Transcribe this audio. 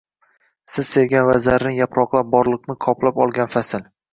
Biz sevgan va zarrin yaproqlar borliqni qoplab olgan fasl.